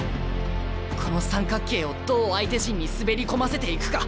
この三角形をどう相手陣に滑り込ませていくか！